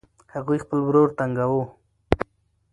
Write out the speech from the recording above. هغوی خپل ورور تنګاوه.